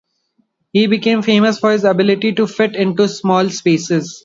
He became famous for his ability to fit into small spaces.